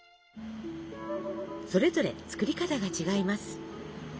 それぞれ作り方が違います。